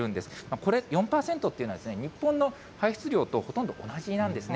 これ、４％っていうのは、日本の排出量とほとんど同じなんですね。